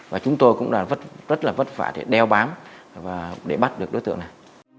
và chúng tôi cũng rất là vất vả để đeo bám và để bắt được đối tượng này